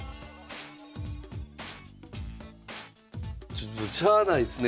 ちょっとしゃあないっすね